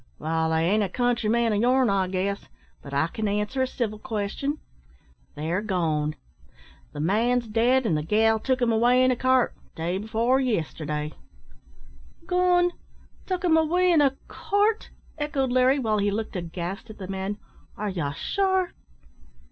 "Wall, I ain't a countryman o' yourn, I guess; but I can answer a civil question. They're gone. The man's dead, an' the gal took him away in a cart day b'fore yisterday." "Gone! took him away in a cart!" echoed Larry, while he looked aghast at the man. "Are ye sure?"